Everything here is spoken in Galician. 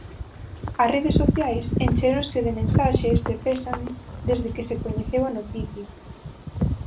As redes sociais enchéronse de mensaxes de pésame desde que se coñeceu a noticia.